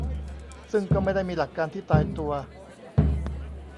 ซึ่งก็ไม่ได้มีหลักการที่ตายตัว